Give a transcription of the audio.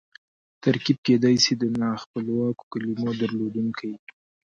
ترکیب کېدای سي د نا خپلواکو کیمو درلودونکی يي.